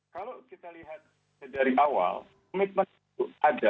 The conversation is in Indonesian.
kalau kita lihat dari awal komitmen itu ada